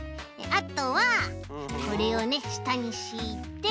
あとはこれをねしたにしいて。